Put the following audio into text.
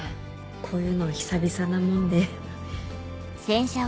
こういうの久々なもんで。